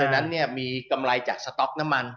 ดังนั้นมีกำไรจากสต๊อกน้ำมัน